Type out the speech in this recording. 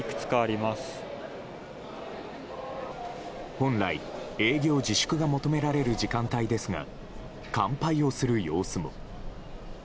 本来、営業自粛が求められる時間帯ですが乾杯をする様子も。